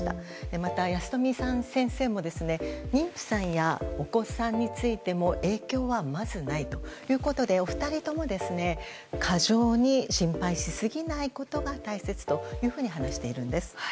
また、保富先生も妊婦さんや、お子さんについても影響はまずないということでお二人とも過剰に心配しすぎないことが大切というふうに話しているんです。